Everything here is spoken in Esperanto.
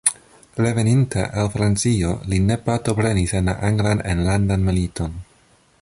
Reveninte al Francio li ne partoprenis en la Anglan enlandan militon.